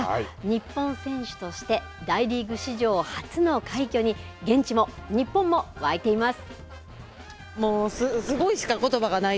日本選手として大リーグ史上初の快挙に、現地も日本も沸いています。